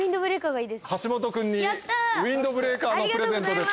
橋本君にウインドブレーカーのプレゼントです。